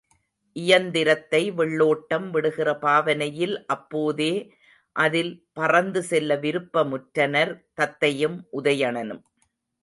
இயந்திரத்தை வெள்ளோட்டம் விடுகிற பாவனையில் அப்போதே அதில் பறந்து செல்ல விருப்பமுற்றனர் தத்தையும் உதயணனும்.